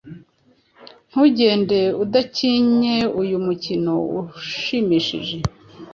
Ntugende udakinnye uyu mukino ushimishije,